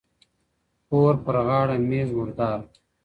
¬ پور پر غاړه، مېږ مرداره.